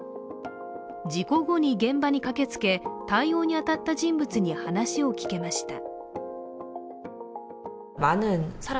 事故後に現場に駆けつけ対応に当たった人物に話を聞けました。